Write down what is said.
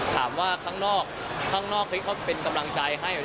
ข้างนอกข้างนอกเขาเป็นกำลังใจให้